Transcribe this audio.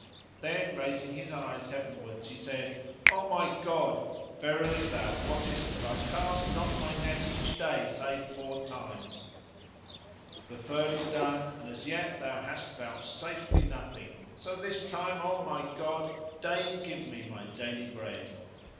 Then raising his eyes heavenwards he said, "O my God![FN#62] verily Thou wottest that I cast not my net each day save four times[FN#63]; the third is done and as yet Thou hast vouchsafed me nothing. So this time, O my God, deign give me my daily bread."